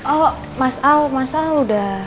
oh mas al mas al udah